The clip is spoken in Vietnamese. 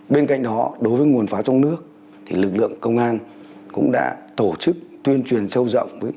bên cạnh đó đối với nguồn pháo trong nước thì lực lượng công an cũng đã tổ chức tuyên truyền sâu rộng